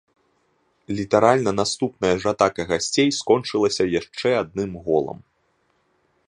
Літаральна наступная ж атака гасцей скончылася яшчэ адным голам.